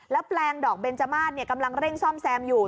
แล้วแปลงดอกเบนจมาสกำลังเร่งซ่อมแซมอยู่